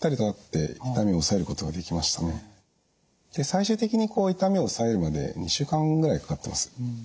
最終的に痛みを抑えるまで２週間ぐらいかかってます。